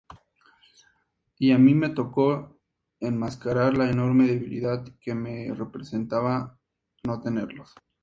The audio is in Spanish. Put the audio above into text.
Y a mí me tocó enmascarar la enorme debilidad que me representaba no tenerlos.